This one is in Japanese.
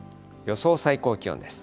予想最高気温です。